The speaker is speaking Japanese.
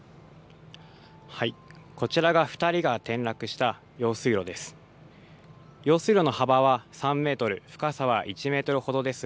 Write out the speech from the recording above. こちらが２人が転落した用水路です。